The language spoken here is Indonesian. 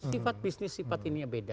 sifat bisnis sifat ini beda